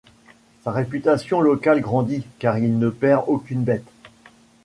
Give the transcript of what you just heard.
Sa réputation locale grandit, car il ne perd aucune bête.